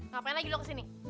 ngapain lagi lo kesini